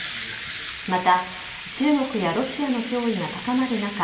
また中国やロシアの脅威が高まる中